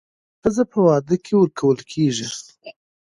ښځه په واده کې ورکول کېږي